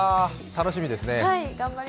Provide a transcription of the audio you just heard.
楽しみですね。